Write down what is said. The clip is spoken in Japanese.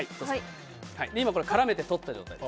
今絡めて取った状態です。